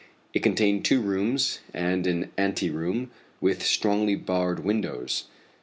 It contained two rooms and an ante room with strongly barred windows.